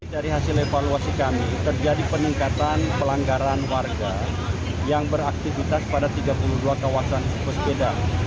dari hasil evaluasi kami terjadi peningkatan pelanggaran warga yang beraktivitas pada tiga puluh dua kawasan pesepeda